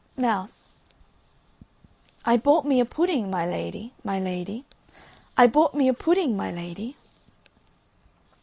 MOUSE. I bought me a pudding, my lady, my lady, I bought me a pudding, my lady.